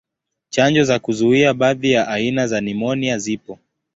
Chanjo za kuzuia baadhi ya aina za nimonia zipo.